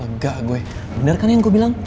lega gue bener kan yang gua bilang